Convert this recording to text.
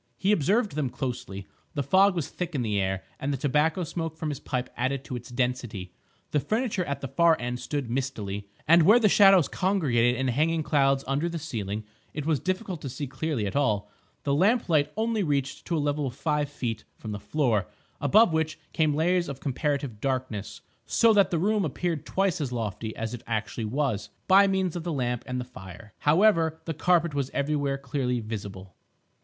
He observed them closely. The fog was thick in the air, and the tobacco smoke from his pipe added to its density; the furniture at the far end stood mistily, and where the shadows congregated in hanging clouds under the ceiling, it was difficult to see clearly at all; the lamplight only reached to a level of five feet from the floor, above which came layers of comparative darkness, so that the room appeared twice as lofty as it actually was. By means of the lamp and the fire, however, the carpet was everywhere clearly visible.